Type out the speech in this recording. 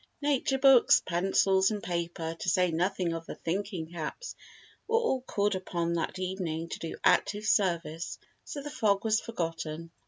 Nature books, pencils and paper, to say nothing of the "thinking caps" were all called upon that evening to do active service, so the fog was forgotten.